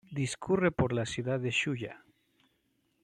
Discurre por la ciudad de Shuya.